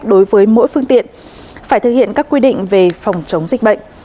đối với mỗi phương tiện phải thực hiện các quy định về phòng chống dịch bệnh